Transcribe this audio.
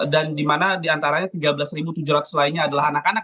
dan di mana diantaranya tiga belas tujuh ratus lainnya adalah anak anak